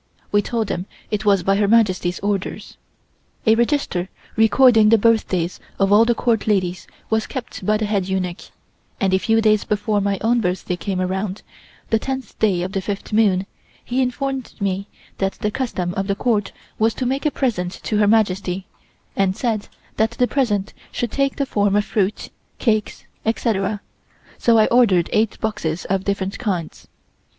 We told them it was by Her Majesty's orders. A register recording the birthdays of all the Court ladies was kept by the head eunuch, and a few days before my own birthday came around, the tenth day of the fifth moon, he informed me that the custom of the Court was to make a present to Her Majesty and said that the present should take the form of fruit, cakes, etc., so I ordered eight boxes of different kinds.